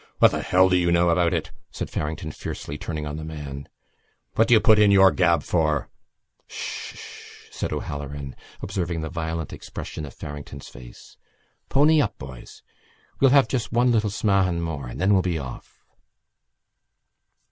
"What the hell do you know about it?" said Farrington fiercely, turning on the man. "What do you put in your gab for?" "Sh, sh!" said O'Halloran, observing the violent expression of Farrington's face. "Pony up, boys. We'll have just one little smahan more and then we'll be off."